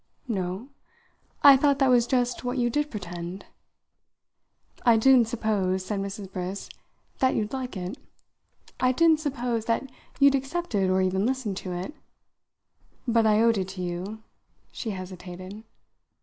"No? I thought that was just what you did pretend." "I didn't suppose," said Mrs. Briss, "that you'd like it. I didn't suppose that you'd accept it or even listen to it. But I owed it to you " She hesitated.